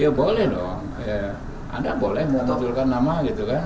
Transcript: ya boleh dong anda boleh mentobilkan nama gitu kan